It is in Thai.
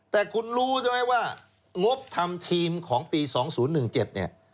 แต่คุณรู้ใช่ไหมว่างบทำทีมของปี๒๐๑๗เนี่ย